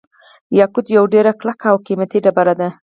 یاقوت یوه ډیره کلکه او قیمتي ډبره ده.